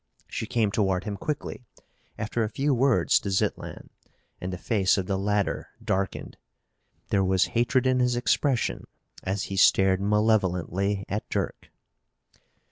She came toward him quickly, after a few words to Zitlan, and the face of the latter darkened. There was hatred in his expression as he stared malevolently at Dirk.